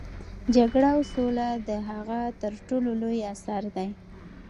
جګړه او سوله د هغه تر ټولو لوی اثر دی.